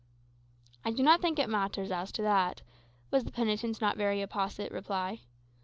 "I do not think it matters, as to that," was the penitent's not very apposite reply.